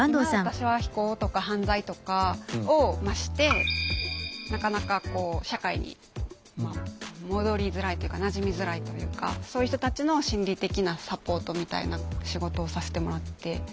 今私は非行とか犯罪とかをしてなかなかこう社会に戻りづらいというかなじみづらいというかそういう人たちの心理的なサポートみたいな仕事をさせてもらって。